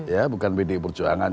ya bukan pdi perjuangan